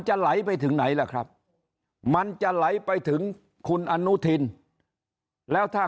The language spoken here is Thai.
ไหลไปถึงไหนล่ะครับมันจะไหลไปถึงคุณอนุทินแล้วถ้า